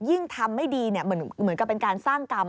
ยิ่งทำไม่ดีเหมือนกับเป็นการสร้างกรรม